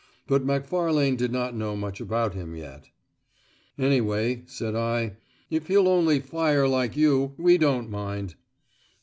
But Macfarlane did not know much about him yet. "Anyway," said I, "if he'll only fire like you, we don't mind."